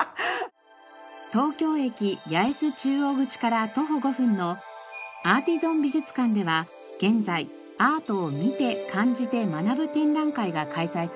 東京駅八重洲中央口から徒歩５分のアーティゾン美術館では現在アートを見て感じて学ぶ展覧会が開催されています。